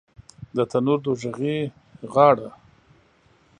د تنور دوږخي غاړه